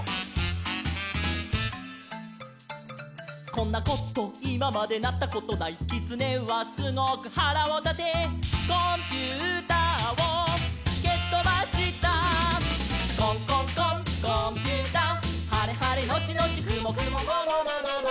「こんなこといままでなったことない」「きつねはすごくはらをたて」「コンピューターをけとばした」「コンコンコンコンピューター」「はれはれのちのちくもくもももももももももも」